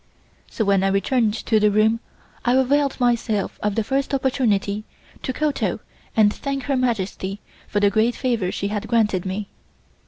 So when I returned to the room I availed myself of the first opportunity to kowtow and thank Her Majesty for the great favor she had granted me.